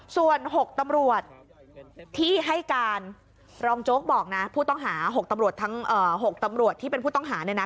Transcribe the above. ส่วน๖ตำรวจที่ให้การรองโจ๊กบอกนะผู้ต้องหา๖ตำรวจทั้ง๖ตำรวจที่เป็นผู้ต้องหาเนี่ยนะ